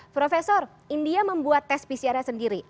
prof chandra india membuat tes pcrnya sendiri